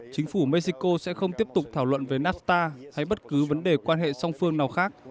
chính phủ mexico sẽ không tiếp tục thảo luận về nafta hay bất cứ vấn đề quan hệ song phương nào khác